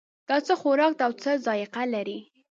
دا څه خوراک ده او څه ذائقه لري